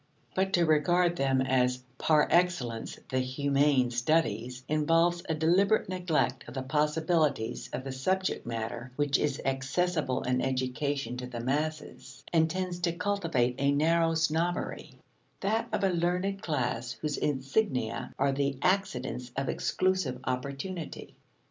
But to regard them as par excellence the humane studies involves a deliberate neglect of the possibilities of the subject matter which is accessible in education to the masses, and tends to cultivate a narrow snobbery: that of a learned class whose insignia are the accidents of exclusive opportunity.